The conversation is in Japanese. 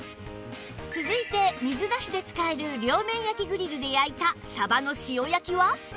続いて水なしで使える両面焼きグリルで焼いたサバの塩焼きは？